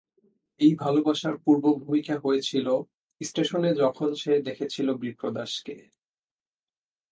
এই ভালোবাসার পূর্বভূমিকা হয়েছিল স্টেশনে যখন সে দেখেছিল বিপ্রদাসকে।